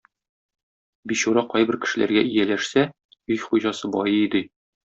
Бичура кайбер кешеләргә ияләшсә өй хуҗасы байый ди.